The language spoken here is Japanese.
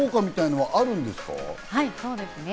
はい、そうですね。